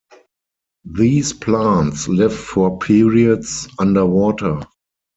These plants live for periods underwater.